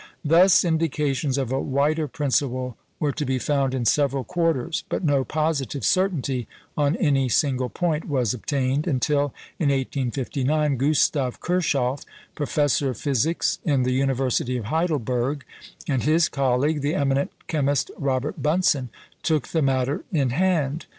" Thus indications of a wider principle were to be found in several quarters, but no positive certainty on any single point was obtained, until, in 1859, Gustav Kirchhoff, professor of physics in the University of Heidelberg, and his colleague, the eminent chemist Robert Bunsen, took the matter in hand.